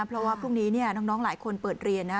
เพราะว่าพรุ่งนี้น้องหลายคนเปิดเรียนนะ